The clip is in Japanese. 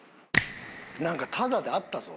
なんかタダであったぞ。